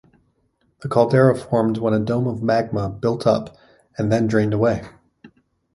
The caldera formed when a dome of magma built up and then drained away.